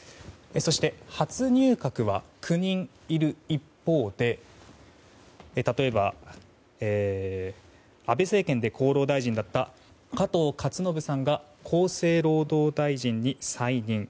初入閣は９人いる一方で例えば、安倍政権で厚労大臣だった加藤勝信さんが厚生労働大臣に再任。